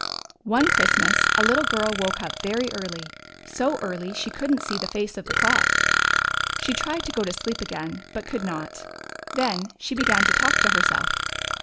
One Christmas a little girl woke up very early — so early she could n't see the face of the clock. She tried to go to sleep again, but could not. Then she began to talk to herself.